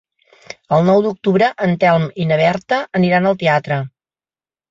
El nou d'octubre en Telm i na Berta aniran al teatre.